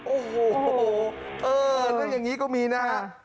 โอ้โหเออถ้าอย่างนี้ก็มีนะฮะ